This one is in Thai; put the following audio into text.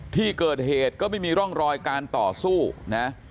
ที่เกิดเหตุก็ไม่มีร่องรอยการต่อสู้นะ